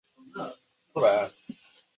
在今青海省贵德县境内。